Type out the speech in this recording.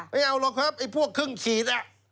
ไม่เอาหรอกครับพวกขึ้นขีด